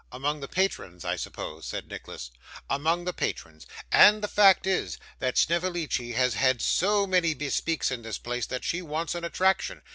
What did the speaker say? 'Among the patrons, I suppose?' said Nicholas. 'Among the patrons; and the fact is, that Snevellicci has had so many bespeaks in this place, that she wants an attraction.